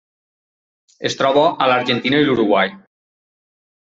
Es troba a l'Argentina i l'Uruguai.